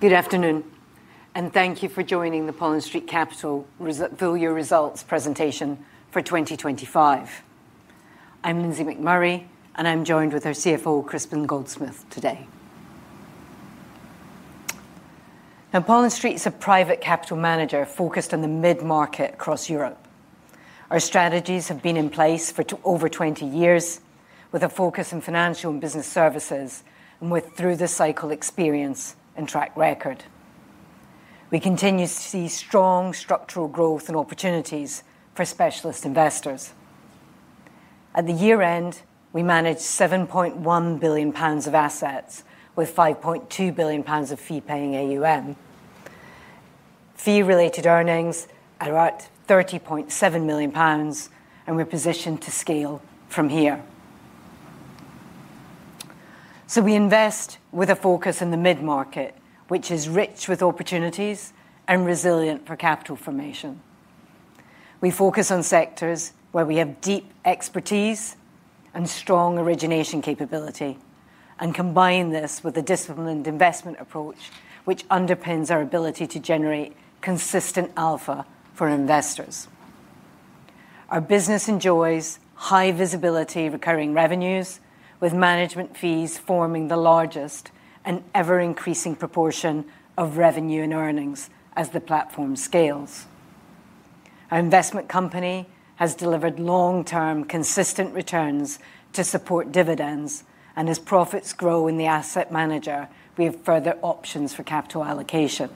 Good afternoon, and thank you for joining the Pollen Street Capital full year results presentation for 2025. I'm Lindsey McMurray, and I'm joined with our CFO, Crispin Goldsmith, today. Now, Pollen Street is a private capital manager focused on the mid-market across Europe. Our strategies have been in place for over 20 years, with a focus on financial and business services and with through the cycle experience and track record. We continue to see strong structural growth and opportunities for specialist investors. At the year-end, we managed 7.1 billion pounds of assets with 5.2 billion pounds of fee-paying AUM. Fee-related earnings are at 30.7 million pounds, and we're positioned to scale from here. We invest with a focus in the mid-market, which is rich with opportunities and resilient for capital formation. We focus on sectors where we have deep expertise and strong origination capability and combine this with a disciplined investment approach, which underpins our ability to generate consistent alpha for investors. Our business enjoys high visibility recurring revenues, with management fees forming the largest and ever-increasing proportion of revenue and earnings as the platform scales. Our investment company has delivered long-term consistent returns to support dividends. As profits grow in the asset manager, we have further options for capital allocation.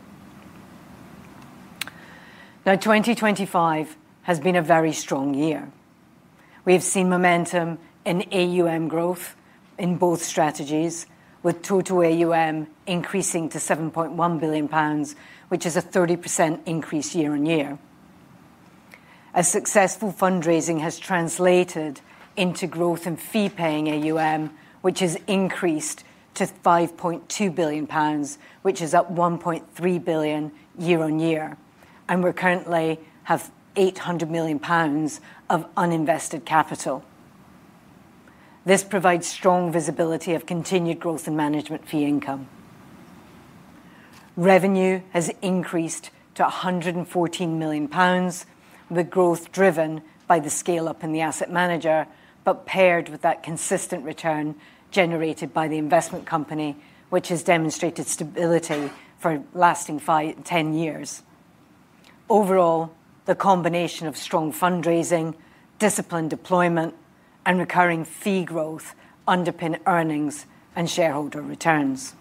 Now, 2025 has been a very strong year. We have seen momentum in AUM growth in both strategies, with total AUM increasing to 7.1 billion pounds, which is a 30% increase year-on-year. A successful fundraising has translated into growth in Fee-Paying AUM, which has increased to 5.2 billion pounds, which is up 1.3 billion year-on-year. We currently have 800 million pounds of uninvested capital. This provides strong visibility of continued growth in management fee income. Revenue has increased to 114 million pounds, with growth driven by the scale-up in the asset manager, but paired with that consistent return generated by the investment company, which has demonstrated stability for lasting 10 years. Overall, the combination of strong fundraising, disciplined deployment, and recurring fee growth underpin earnings and shareholder returns.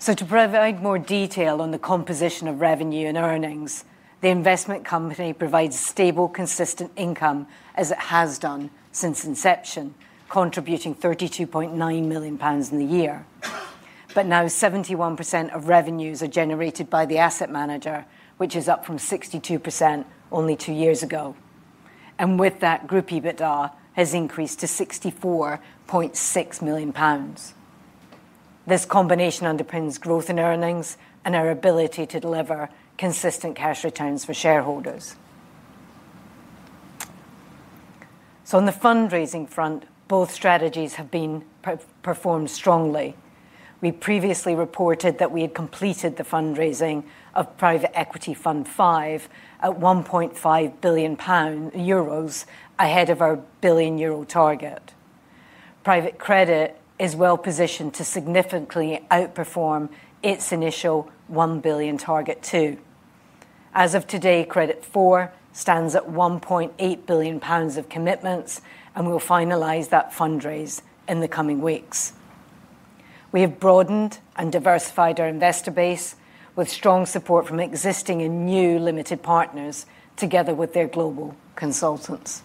To provide more detail on the composition of revenue and earnings, the investment company provides stable, consistent income as it has done since inception, contributing 32.9 million pounds in the year. Now 71% of revenues are generated by the asset manager, which is up from 62% only two years ago. With that group, EBITDA has increased to 64.6 million pounds. This combination underpins growth in earnings and our ability to deliver consistent cash returns for shareholders. On the fundraising front, both strategies have been performed strongly. We previously reported that we had completed the fundraising of Private Equity Fund V at EUR 1.5 billion ahead of our 1 billion euro target. Private credit is well positioned to significantly outperform its initial 1 billion target too. As of today, Credit IV stands at 1.8 billion pounds of commitments, and we'll finalize that fundraise in the coming weeks. We have broadened and diversified our investor base with strong support from existing and new limited partners, together with their global consultants.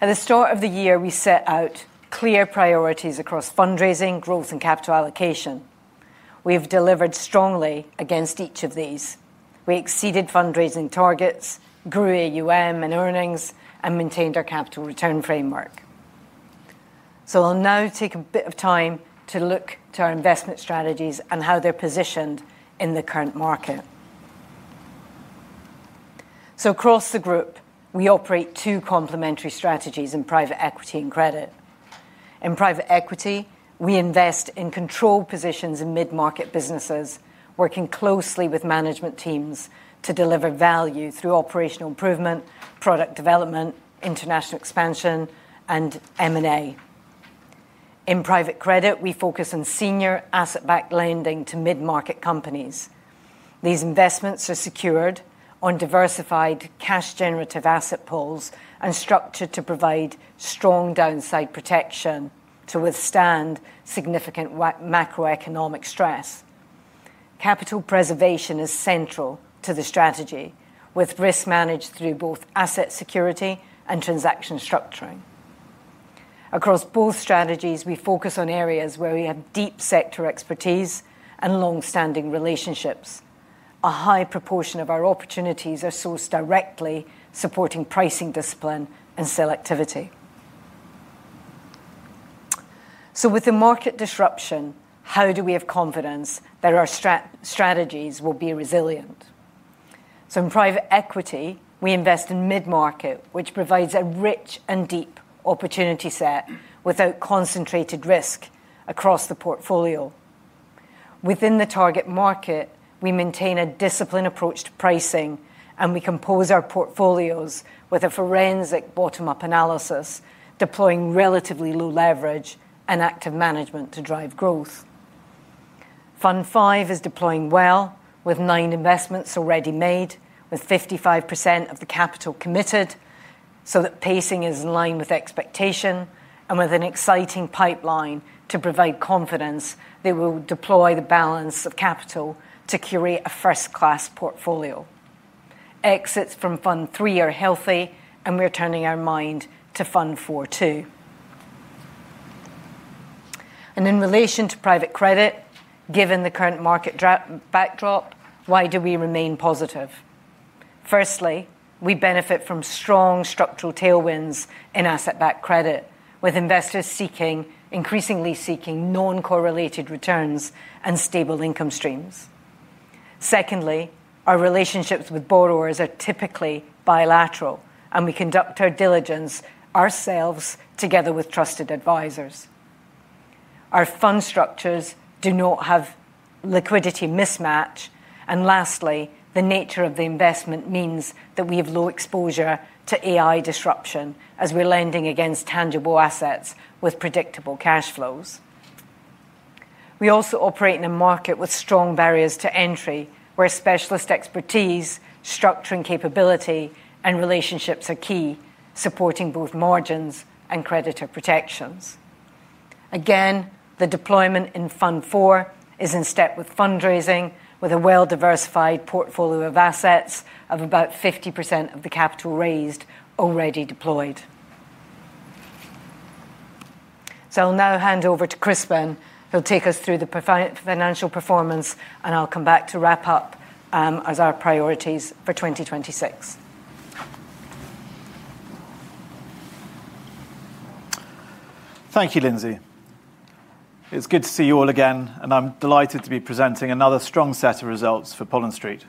At the start of the year, we set out clear priorities across fundraising, growth, and capital allocation. We have delivered strongly against each of these. We exceeded fundraising targets, grew AUM and earnings, and maintained our capital return framework. I'll now take a bit of time to look to our investment strategies and how they're positioned in the current market. Across the group, we operate two complementary strategies in private equity and credit. In private equity, we invest in control positions in mid-market businesses, working closely with management teams to deliver value through operational improvement, product development, international expansion, and M&A. In private credit, we focus on senior asset-backed lending to mid-market companies. These investments are secured on diversified cash generative asset pools and structured to provide strong downside protection to withstand significant macroeconomic stress. Capital preservation is central to the strategy with risk managed through both asset security and transaction structuring. Across both strategies, we focus on areas where we have deep sector expertise and long-standing relationships. A high proportion of our opportunities are sourced directly, supporting pricing discipline and selectivity. With the market disruption, how do we have confidence that our strategies will be resilient? In private equity, we invest in mid-market, which provides a rich and deep opportunity set without concentrated risk across the portfolio. Within the target market, we maintain a disciplined approach to pricing, and we compose our portfolios with a forensic bottom-up analysis, deploying relatively low leverage and active management to drive growth. Fund V is deploying well, with nine investments already made, with 55% of the capital committed, so that pacing is in line with expectation and with an exciting pipeline to provide confidence they will deploy the balance of capital to curate a first-class portfolio. Exits from Fund III are healthy, and we're turning our mind to Fund IV too. In relation to private credit, given the current market backdrop, why do we remain positive? Firstly, we benefit from strong structural tailwinds in asset-backed credit, with investors increasingly seeking non-correlated returns and stable income streams. Secondly, our relationships with borrowers are typically bilateral, and we conduct our diligence ourselves together with trusted advisors. Our fund structures do not have liquidity mismatch. Lastly, the nature of the investment means that we have low exposure to AI disruption as we're lending against tangible assets with predictable cash flows. We also operate in a market with strong barriers to entry, where specialist expertise, structuring capability, and relationships are key, supporting both margins and creditor protections. Again, the deployment in fund four is in step with fundraising, with a well-diversified portfolio of assets of about 50% of the capital raised already deployed. I'll now hand over to Crispin, who'll take us through the financial performance, and I'll come back to wrap up our priorities for 2026. Thank you, Lindsey. It's good to see you all again, and I'm delighted to be presenting another strong set of results for Pollen Street.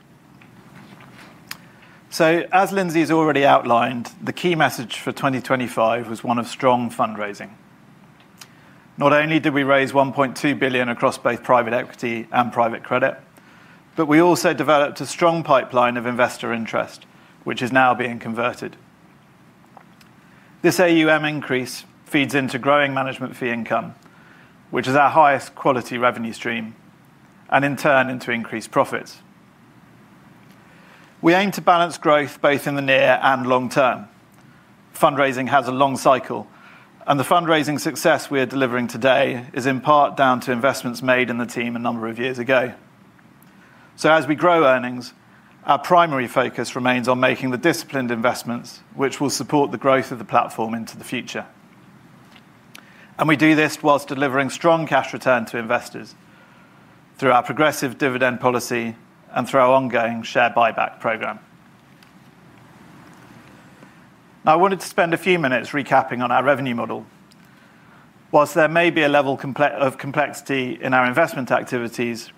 As Lindsey has already outlined, the key message for 2025 was one of strong fundraising. Not only did we raise 1.2 billion across both private equity and private credit, but we also developed a strong pipeline of investor interest, which is now being converted. This AUM increase feeds into growing management fee income, which is our highest quality revenue stream, and in turn into increased profits. We aim to balance growth both in the near and long term. Fundraising has a long cycle, and the fundraising success we are delivering today is in part down to investments made in the team a number of years ago. As we grow earnings, our primary focus remains on making the disciplined investments which will support the growth of the platform into the future. We do this while delivering strong cash return to investors through our progressive dividend policy and through our ongoing share buyback program. Now, I wanted to spend a few minutes recapping on our revenue model. While there may be a level of complexity in our investment activities,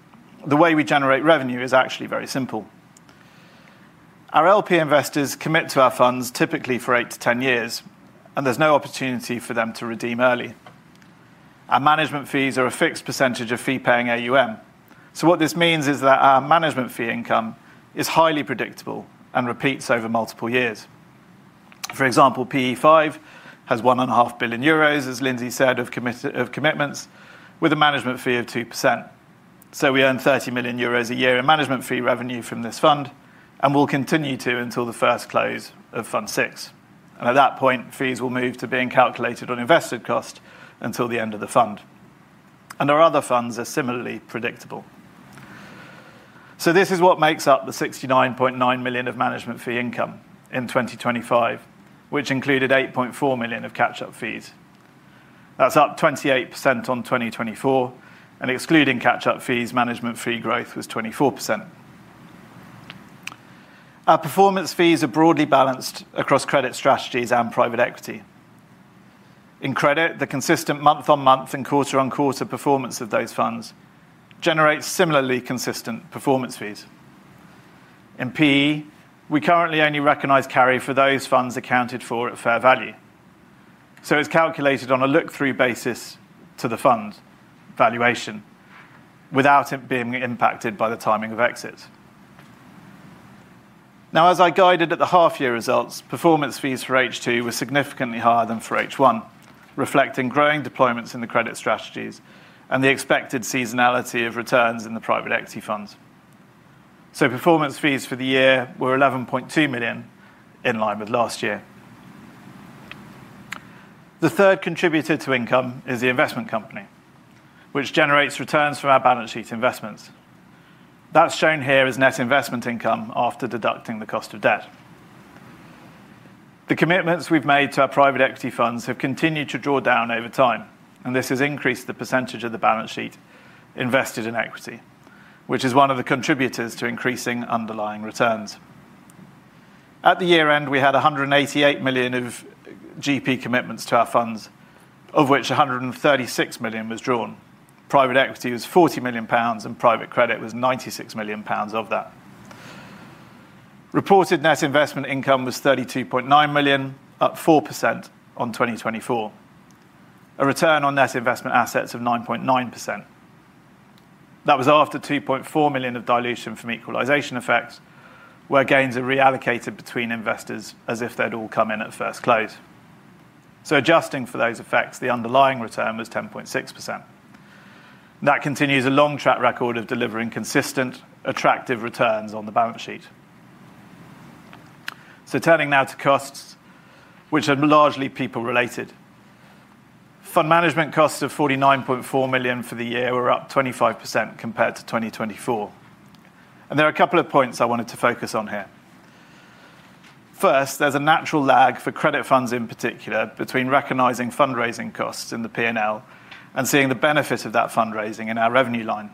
the way we generate revenue is actually very simple. Our LP investors commit to our funds typically for 8-10 years, and there's no opportunity for them to redeem early. Our management fees are a fixed percentage of Fee-Paying AUM. What this means is that our management fee income is highly predictable and repeats over multiple years. For example, PE five has 1.5 billion euros, as Lindsey said, of commitments with a management fee of 2%. We earn 30 million euros a year in management fee revenue from this fund and will continue to until the first close of Fund VI. At that point, fees will move to being calculated on invested cost until the end of the fund. Our other funds are similarly predictable. This is what makes up the 69.9 million of management fee income in 2025, which included 8.4 million of catch-up fees. That's up 28% on 2024, and excluding catch-up fees, management fee growth was 24%. Our performance fees are broadly balanced across credit strategies and private equity. In credit, the consistent month-on-month and quarter-on-quarter performance of those funds generates similarly consistent performance fees. In PE, we currently only recognize carry for those funds accounted for at fair value. It's calculated on a look-through basis to the fund valuation without it being impacted by the timing of exit. Now, as I guided at the half year results, performance fees for H2 were significantly higher than for H1, reflecting growing deployments in the credit strategies and the expected seasonality of returns in the private equity funds. Performance fees for the year were 11.2 million, in line with last year. The third contributor to income is the investment company, which generates returns from our balance sheet investments. That's shown here as net investment income after deducting the cost of debt. The commitments we've made to our private equity funds have continued to draw down over time, and this has increased the percentage of the balance sheet invested in equity, which is one of the contributors to increasing underlying returns. At the year-end, we had 188 million of GP commitments to our funds, of which 136 million was drawn. Private equity was 40 million pounds, and private credit was 96 million pounds of that. Reported net investment income was 32.9 million, up 4% on 2024. A return on net investment assets of 9.9%. That was after 2.4 million of dilution from equalization effects, where gains are reallocated between investors as if they'd all come in at first close. Adjusting for those effects, the underlying return was 10.6%. That continues a long track record of delivering consistent, attractive returns on the balance sheet. Turning now to costs, which are largely people-related. Fund management costs of 49.4 million for the year were up 25% compared to 2024. There are a couple of points I wanted to focus on here. First, there's a natural lag for credit funds in particular between recognizing fundraising costs in the P&L and seeing the benefit of that fundraising in our revenue line.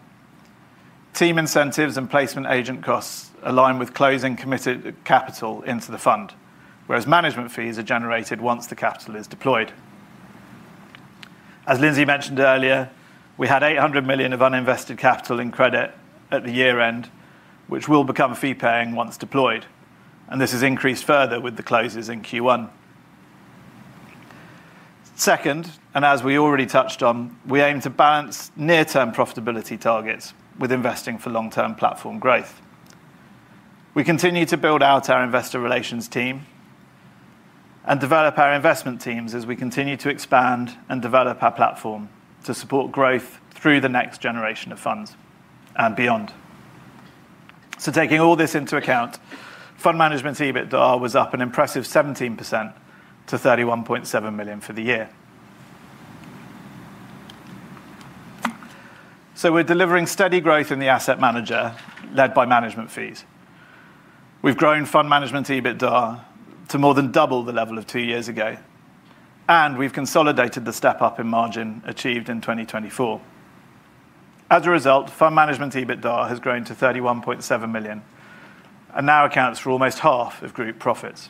Team incentives and placement agent costs align with closing committed capital into the fund, whereas management fees are generated once the capital is deployed. As Lindsey mentioned earlier, we had 800 million of uninvested capital in credit at the year-end, which will become fee-paying once deployed, and this has increased further with the closes in Q1. Second, and as we already touched on, we aim to balance near-term profitability targets with investing for long-term platform growth. We continue to build out our investor relations team and develop our investment teams as we continue to expand and develop our platform to support growth through the next generation of funds and beyond. Taking all this into account, fund management EBITDA was up an impressive 17% to 31.7 million for the year. We're delivering steady growth in the asset manager led by management fees. We've grown fund management EBITDA to more than double the level of two years ago, and we've consolidated the step-up in margin achieved in 2024. As a result, fund management EBITDA has grown to 31.7 million and now accounts for almost half of group profits.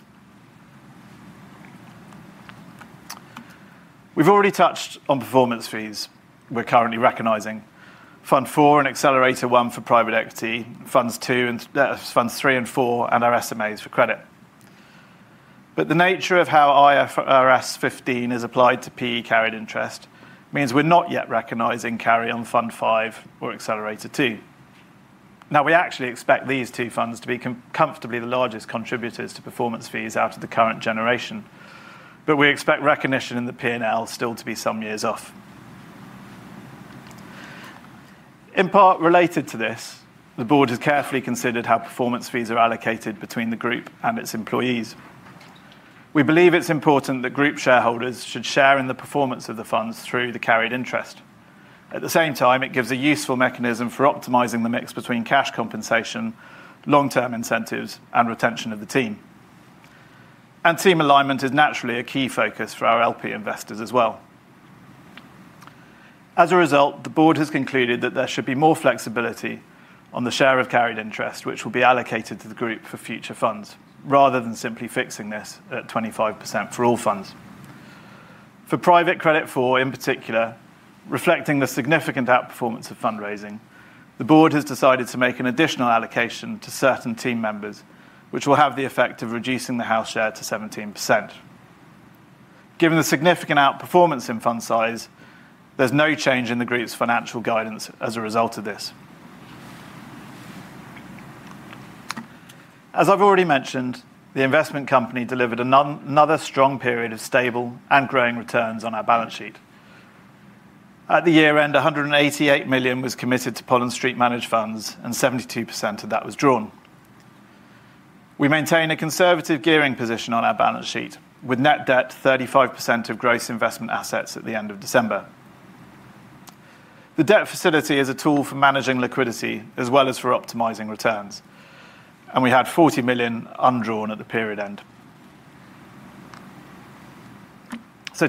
We've already touched on performance fees. We're currently recognizing Fund IV and Accelerator I for private equity, Funds III and IV and our SMAs for credit. The nature of how IFRS 15 is applied to PE carried interest means we're not yet recognizing carry on Fund V or Accelerator II. Now, we actually expect these two funds to be comfortably the largest contributors to performance fees out of the current generation, but we expect recognition in the P&L still to be some years off. In part related to this, the board has carefully considered how performance fees are allocated between the group and its employees. We believe it's important that group shareholders should share in the performance of the funds through the carried interest. At the same time, it gives a useful mechanism for optimizing the mix between cash compensation, long-term incentives, and retention of the team. Team alignment is naturally a key focus for our LP investors as well. As a result, the board has concluded that there should be more flexibility on the share of carried interest which will be allocated to the group for future funds rather than simply fixing this at 25% for all funds. For private credit four, in particular, reflecting the significant outperformance of fundraising, the board has decided to make an additional allocation to certain team members, which will have the effect of reducing the house share to 17%. Given the significant outperformance in fund size, there's no change in the group's financial guidance as a result of this. As I've already mentioned, the investment company delivered another strong period of stable and growing returns on our balance sheet. At the year-end, 188 million was committed to Pollen Street managed funds, and 72% of that was drawn. We maintain a conservative gearing position on our balance sheet with net debt 35% of gross investment assets at the end of December. The debt facility is a tool for managing liquidity as well as for optimizing returns, and we had 40 million undrawn at the period end.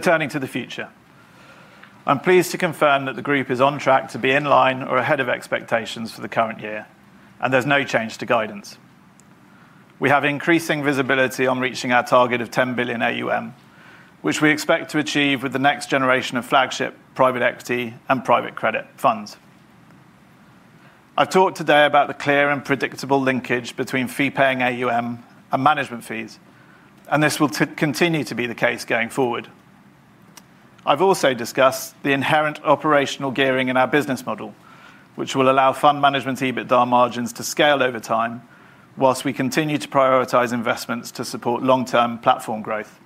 Turning to the future. I'm pleased to confirm that the group is on track to be in line or ahead of expectations for the current year, and there's no change to guidance. We have increasing visibility on reaching our target of 10 billion AUM, which we expect to achieve with the next generation of flagship private equity and private credit funds. I've talked today about the clear and predictable linkage between Fee-Paying AUM and management fees, and this will continue to be the case going forward. I've also discussed the inherent operational gearing in our business model, which will allow fund management EBITDA margins to scale over time while we continue to prioritize investments to support long-term platform growth.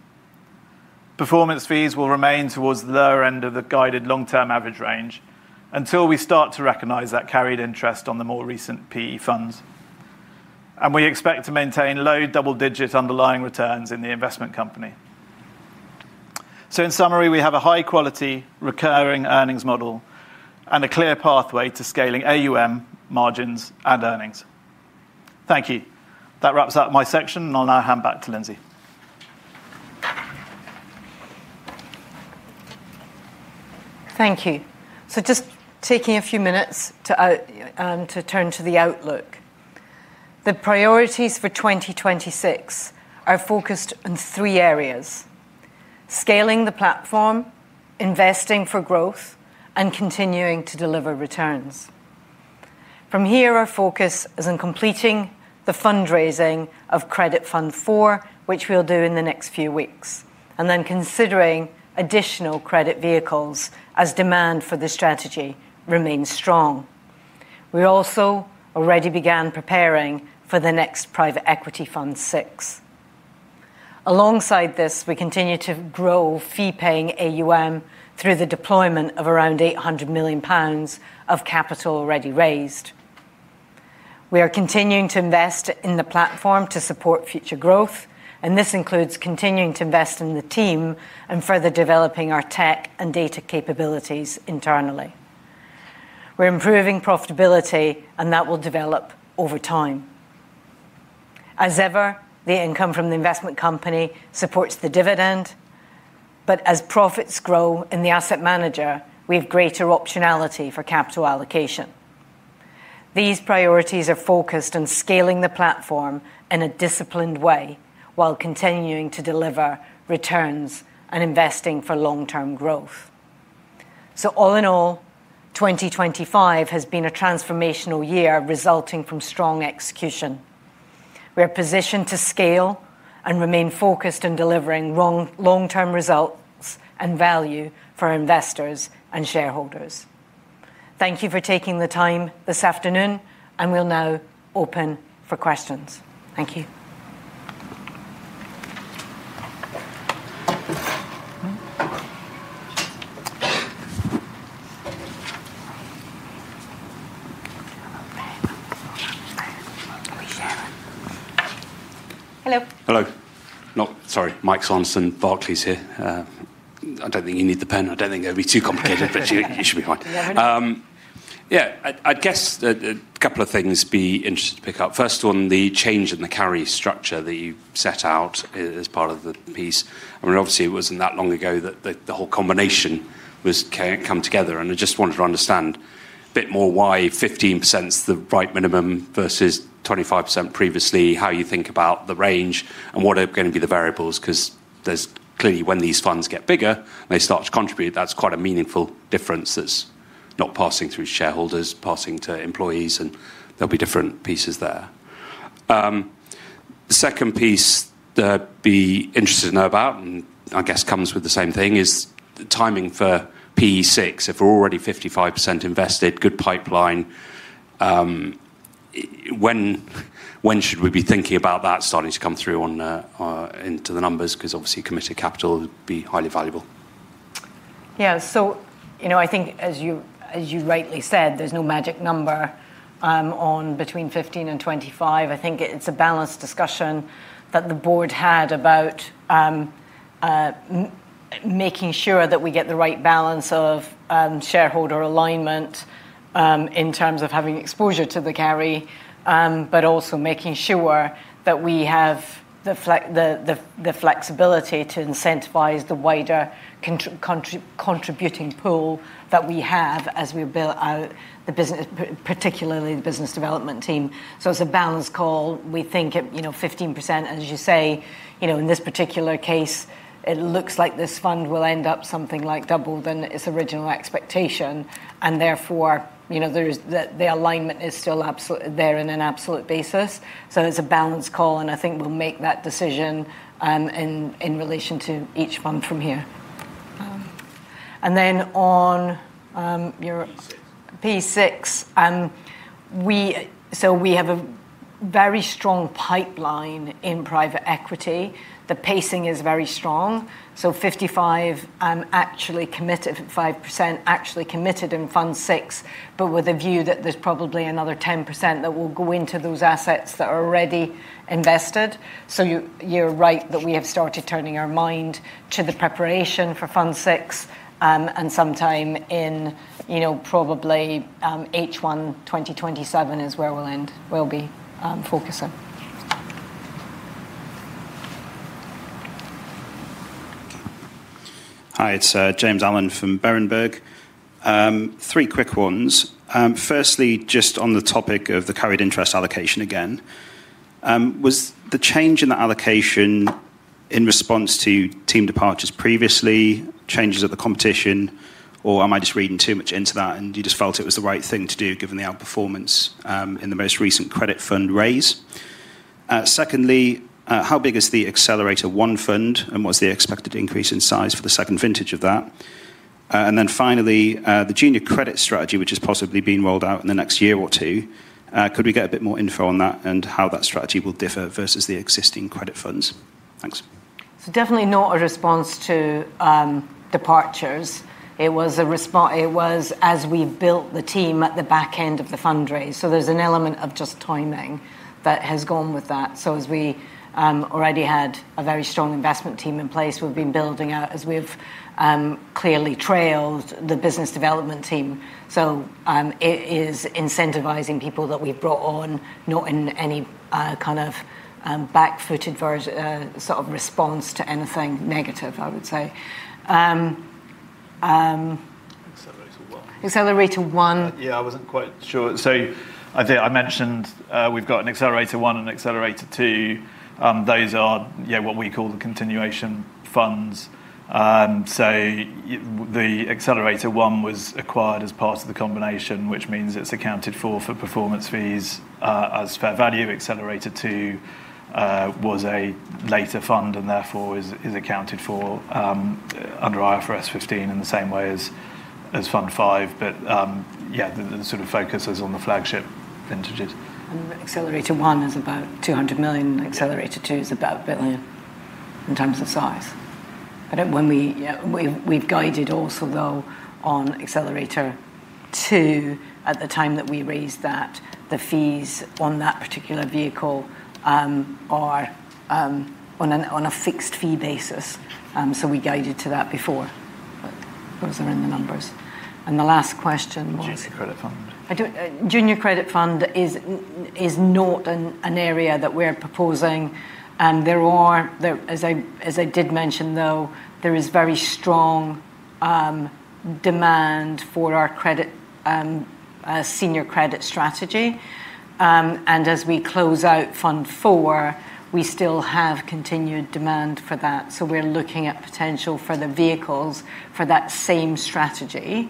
Performance fees will remain towards the lower end of the guided long-term average range until we start to recognize that carried interest on the more recent PE funds. We expect to maintain low double-digit underlying returns in the investment company. In summary, we have a high-quality recurring earnings model and a clear pathway to scaling AUM margins and earnings. Thank you. That wraps up my section, and I'll now hand back to Lindsey. Thank you. Just taking a few minutes to turn to the outlook. The priorities for 2026 are focused on three areas. Scaling the platform, investing for growth, and continuing to deliver returns. From here, our focus is on completing the fundraising of credit Fund IV, which we'll do in the next few weeks, and then considering additional credit vehicles as demand for this strategy remains strong. We also already began preparing for the next private equity Fund VI. Alongside this, we continue to grow fee-paying AUM through the deployment of around 800 million pounds of capital already raised. We are continuing to invest in the platform to support future growth, and this includes continuing to invest in the team and further developing our tech and data capabilities internally. We're improving profitability, and that will develop over time. As ever, the income from the investment company supports the dividend. But as profits grow in the asset manager, we have greater optionality for capital allocation. These priorities are focused on scaling the platform in a disciplined way while continuing to deliver returns and investing for long-term growth. All in all, 2025 has been a transformational year resulting from strong execution. We are positioned to scale and remain focused in delivering long-term results and value for our investors and shareholders. Thank you for taking the time this afternoon, and we'll now open for questions. Thank you. Hello. Hello. No, sorry. Mike Robinson, Barclays here. I don't think you need the pen. I don't think it'll be too complicated, but you should be fine. Yeah, why not. I'd be interested to pick up a couple of things. First on the change in the carry structure that you set out as part of the piece. I mean, obviously it wasn't that long ago that the whole combination came together. I just wanted to understand a bit more why 15% is the right minimum versus 25% previously, how you think about the range and what are gonna be the variables, 'cause there's clearly when these funds get bigger and they start to contribute, that's quite a meaningful difference that's not passing through shareholders, passing to employees, and there'll be different pieces there. The second piece that I'd be interested to know about, and I guess comes with the same thing, is the timing for PE 6. If we're already 55% invested, good pipeline, when should we be thinking about that starting to come through on the, into the numbers? 'Cause obviously committed capital would be highly valuable. Yeah. You know, I think as you rightly said, there's no magic number on between 15% and 25%. I think it's a balanced discussion that the board had about making sure that we get the right balance of shareholder alignment in terms of having exposure to the carry but also making sure that we have the flexibility to incentivize the wider contributing pool that we have as we build out the business, particularly the business development team. It's a balanced call. We think at, you know, 15%, as you say, you know, in this particular case, it looks like this fund will end up something like double than its original expectation and therefore, you know, there's the alignment is still there in an absolute basis. It's a balanced call, and I think we'll make that decision in relation to each fund from here, and then on your- PE VI. PE VI, we have a very strong pipeline in private equity. The pacing is very strong. 55% actually committed, 5% actually committed in Fund VI, but with a view that there's probably another 10% that will go into those assets that are already invested. You're right that we have started turning our mind to the preparation for Fund VI, and sometime in, probably, H1 2027 is where we'll be focusing. Hi, it's James Allen from Berenberg. Three quick ones. Firstly, just on the topic of the carried interest allocation again, was the change in the allocation in response to team departures previously, changes in the competition, or am I just reading too much into that and you just felt it was the right thing to do given the outperformance in the most recent credit fund raise? Secondly, how big is the Accelerator I fund, and what's the expected increase in size for the second vintage of that? Finally, the junior credit strategy, which is possibly being rolled out in the next year or two, could we get a bit more info on that and how that strategy will differ versus the existing credit funds? Thanks. Definitely not a response to departures. It was as we built the team at the back end of the fundraise. There's an element of just timing that has gone with that. As we already had a very strong investment team in place, we've been building out as we've clearly built the business development team. It is incentivizing people that we've brought on, not in any kind of sort of response to anything negative, I would say. Accelerator I. Accelerator I Yeah, I wasn't quite sure. I mentioned we've got an Accelerator I and Accelerator II. Those are what we call the continuation funds. The Accelerator I was acquired as part of the combination, which means it's accounted for performance fees as fair value. Accelerator II was a later fund and therefore is accounted for under IFRS 15 in the same way as Fund V. Yeah, the sort of focus is on the flagship vintages. Accelerator I is about 200 million. Accelerator II is about 1 billion in terms of size. We've guided also though on Accelerator II at the time that we raised that the fees on that particular vehicle are on a fixed fee basis. We guided to that before. Those are in the numbers. The last question was? Junior Credit Fund. Junior credit fund is not an area that we're proposing. As I did mention though, there is very strong demand for our senior credit strategy. As we close out Fund IV, we still have continued demand for that. We're looking at potential for the vehicles for that same strategy.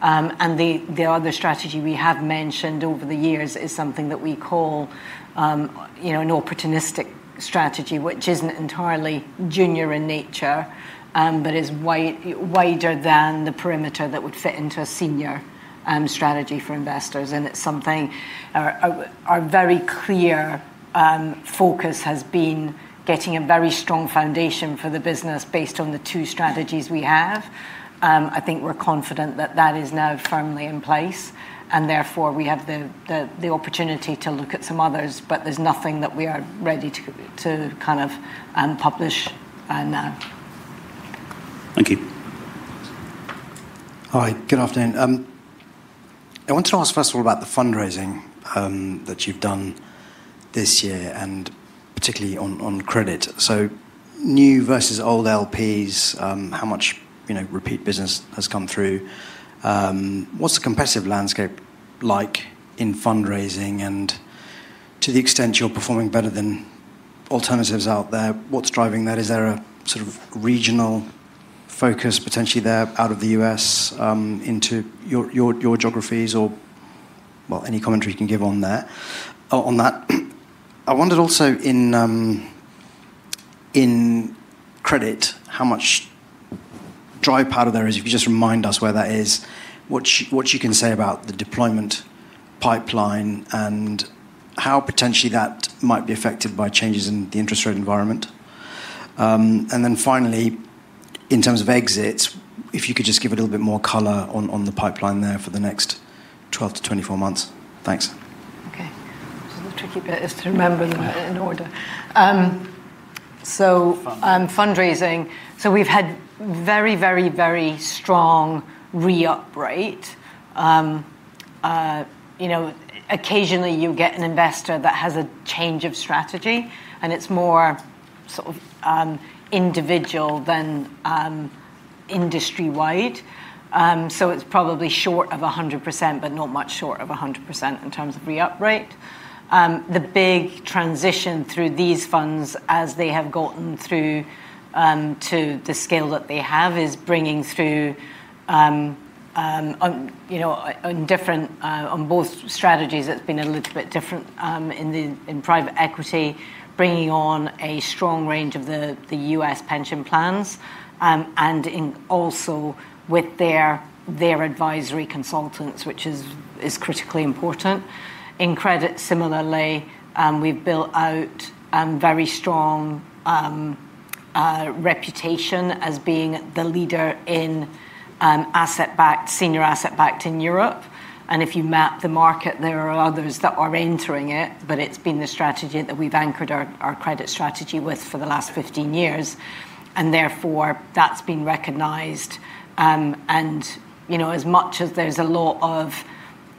The other strategy we have mentioned over the years is something that we call, you know, an opportunistic strategy, which isn't entirely junior in nature, but is wider than the parameters that would fit into a senior strategy for investors. It's something. Our very clear focus has been getting a very strong foundation for the business based on the two strategies we have. I think we're confident that that is now firmly in place, and therefore we have the opportunity to look at some others. There's nothing that we are ready to kind of publish now. Thank you. Hi, good afternoon. I want to ask first of all about the fundraising that you've done this year, and particularly on credit. So new versus old LPs, how much, you know, repeat business has come through? What's the competitive landscape like in fundraising? And to the extent you're performing better than alternatives out there, what's driving that? Is there a sort of regional focus potentially there out of the U.S., into your geographies? Or, well, any commentary you can give on there. Oh, on that, I wondered also in credit, how much dry powder there is. If you could just remind us where that is, what you can say about the deployment pipeline and how potentially that might be affected by changes in the interest rate environment. Finally, in terms of exits, if you could just give a little bit more color on the pipeline there for the next 12-24 months. Thanks. Okay. The tricky bit is to remember them in order. Fundraising. We've had very strong re-up rate. You know, occasionally you get an investor that has a change of strategy, and it's more sort of individual than industry-wide. It's probably short of 100%, but not much short of 100% in terms of re-up rate. The big transition through these funds as they have gotten through to the scale that they have is bringing through you know, in different. On both strategies, it's been a little bit different in private equity, bringing on a strong range of the U.S. pension plans and also with their advisory consultants, which is critically important. In credit similarly, we've built out very strong reputation as being the leader in asset-backed senior asset-backed in Europe. If you map the market, there are others that are entering it, but it's been the strategy that we've anchored our credit strategy with for the last 15 years, and therefore that's been recognized. You know, as much as there's a lot of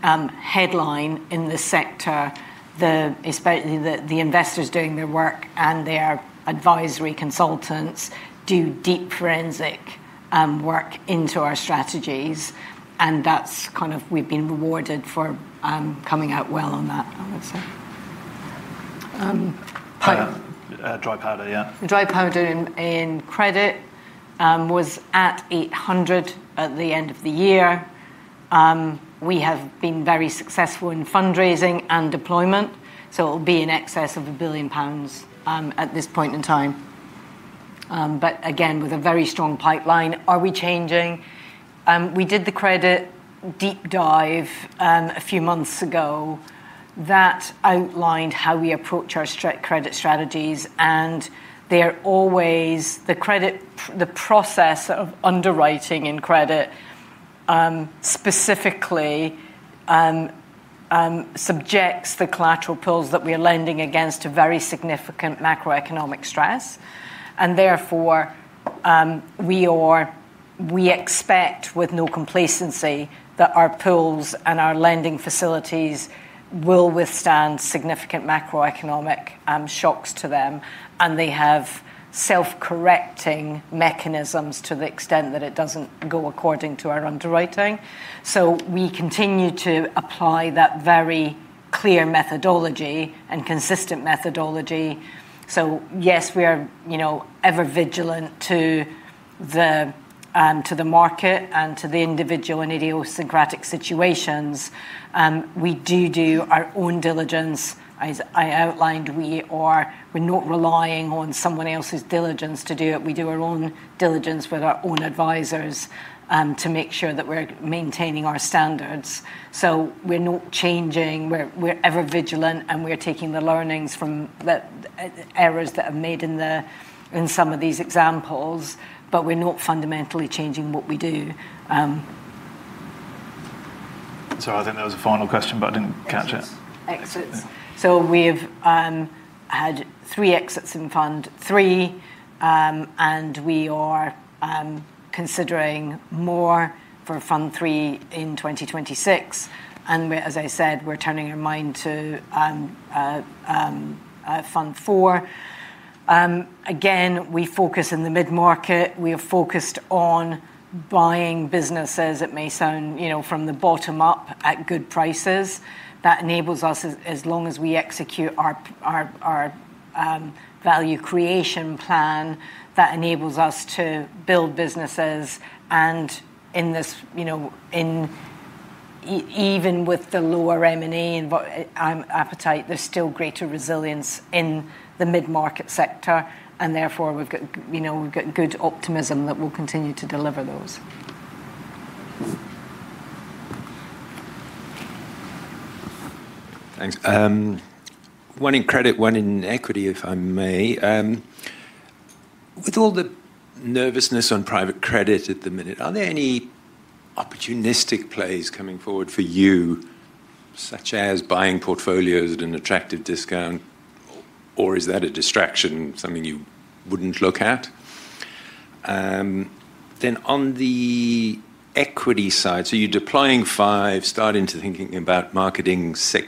headlines in this sector, especially the investors doing their work and their advisory consultants do deep forensic work into our strategies, and that's kind of we've been rewarded for coming out well on that, I would say. Dry powder, yeah. Dry powder in credit was at 800 million at the end of the year. We have been very successful in fundraising and deployment, so it'll be in excess of 1 billion pounds at this point in time. But again, with a very strong pipeline. Are we changing? We did the credit deep dive a few months ago. That outlined how we approach our credit strategies, and they're always the credit. The process of underwriting in credit specifically subjects the collateral pools that we're lending against to very significant macroeconomic stress. Therefore, we expect with no complacency that our pools and our lending facilities will withstand significant macroeconomic shocks to them. They have self-correcting mechanisms to the extent that it doesn't go according to our underwriting. We continue to apply that very clear methodology and consistent methodology. Yes, we are, you know, ever vigilant to the market and to the individual and idiosyncratic situations. We do our own diligence. As I outlined, we're not relying on someone else's diligence to do it. We do our own diligence with our own advisors to make sure that we're maintaining our standards. We're not changing. We're ever vigilant, and we're taking the learnings from the errors that are made in some of these examples. We're not fundamentally changing what we do. Sorry, I think there was a final question, but I didn't catch it. Exits. We've had three exits in Fund III, and we are considering more for Fund III in 2026. We're, as I said, turning our mind to Fund IV. Again, we focus in the mid-market. We are focused on buying businesses, it may sound, you know, from the bottom up at good prices. That enables us, as long as we execute our value creation plan, to build businesses. In this, you know, even with the lower M&A and buyer appetite, there's still greater resilience in the mid-market sector and therefore we've, you know, got good optimism that we'll continue to deliver those. Thanks. One in credit, one in equity, if I may. With all the nervousness on private credit at the minute, are there any opportunistic plays coming forward for you, such as buying portfolios at an attractive discount, or is that a distraction, something you wouldn't look at? On the equity side, so you're deploying five, starting to thinking about Marketing VI.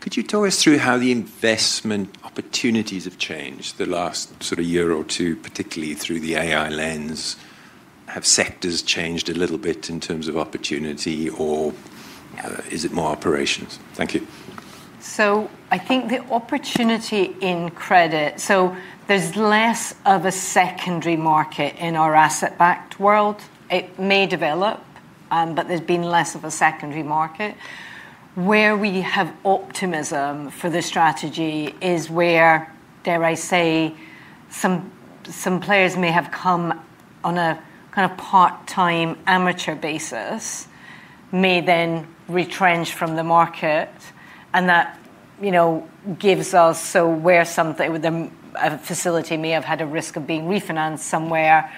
Could you talk us through how the investment opportunities have changed the last sort of year or two, particularly through the AI lens? Have sectors changed a little bit in terms of opportunity or, is it more operations? Thank you. I think the opportunity in credit. There's less of a secondary market in our asset-backed world. It may develop, but there's been less of a secondary market. Where we have optimism for this strategy is where, dare I say, some players may have come on a kind of part-time amateur basis, may then retrench from the market and that, you know, gives us. Where something with a facility may have had a risk of being refinanced somewhere,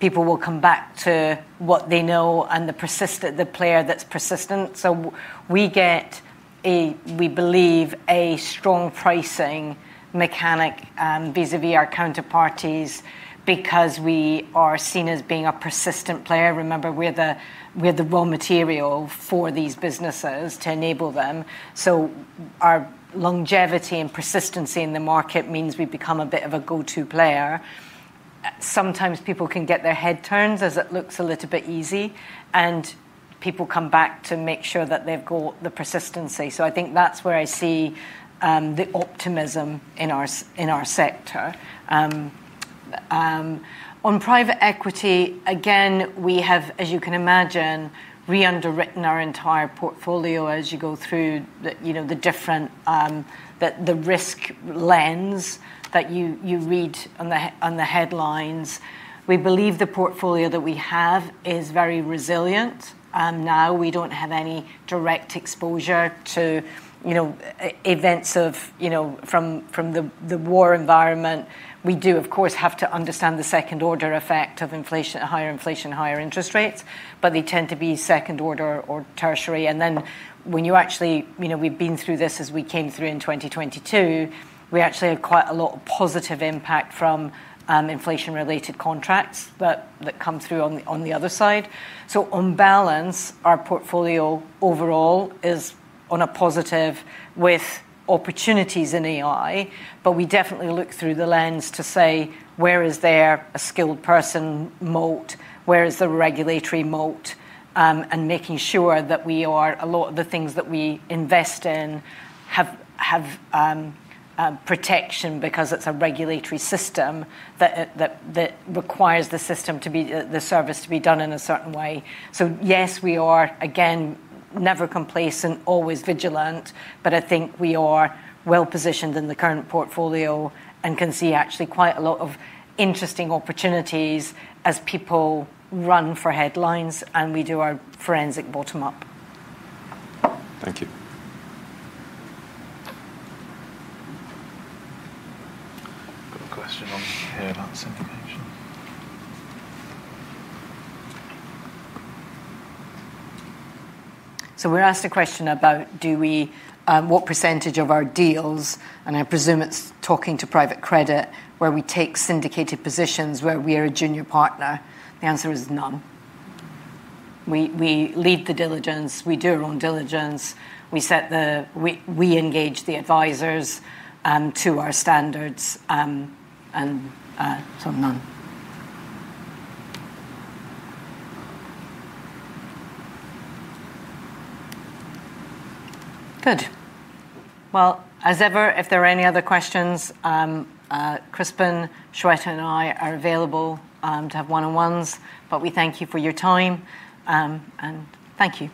people will come back to what they know and the player that's persistent. We get a, we believe, a strong pricing mechanism vis-à-vis our counterparties because we are seen as being a persistent player. Remember, we're the raw material for these businesses to enable them. Our longevity and persistency in the market means we become a bit of a go-to player. Sometimes people can get their head turns as it looks a little bit easy, and people come back to make sure that they've got the persistency. I think that's where I see the optimism in our sector. On private equity, again, we have, as you can imagine, re-underwritten our entire portfolio as you go through the, you know, the different, the risk lens that you read on the headlines. We believe the portfolio that we have is very resilient. Now we don't have any direct exposure to, you know, events of, you know, from the war environment. We do of course have to understand the second order effect of inflation, higher inflation, higher interest rates, but they tend to be second order or tertiary. Then when you actually. You know, we've been through this as we came through in 2022. We actually had quite a lot of positive impact from inflation related contracts that come through on the other side. So on balance, our portfolio overall is on a positive with opportunities in AI. But we definitely look through the lens to say, where is there a skilled person moat, where is the regulatory moat, and making sure a lot of the things that we invest in have protection because it's a regulatory system that requires the service to be done in a certain way. Yes, we are, again, never complacent, always vigilant, but I think we are well positioned in the current portfolio and can see actually quite a lot of interesting opportunities as people run for headlines and we do our forensic bottom-up. Thank you. Got a question on here about syndication. We're asked a question about do we what percentage of our deals, and I presume it's talking to private credit, where we take syndicated positions where we are a junior partner. The answer is none. We lead the diligence. We do our own diligence. We engage the advisors to our standards. None. Good. Well, as ever, if there are any other questions, Crispin, Shweta, and I are available to have one-on-ones. We thank you for your time and thank you.